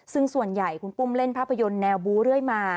ซึ่งส่วนใหญ่คุณปุ้มเล่นภาพยนตร์แนวบูเรื่อยมา